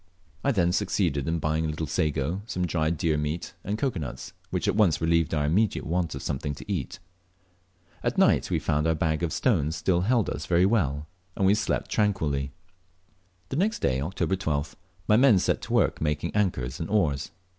I then succeeded in buying a little sago, some dried deer meat and cocoa nuts, which at once relieved our immediate want of something to eat. At night we found our bag of atones still held us very well, and we slept tranquilly. The next day (October 12th), my men set to work making anchors and oars.